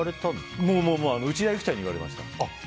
内田有紀ちゃんに言われました。